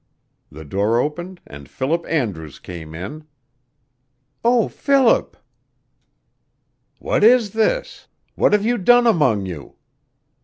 [Illustration: "The door opened and Philip Andrews came in"] "Oh, Philip!" "What is this? What have you done among you?"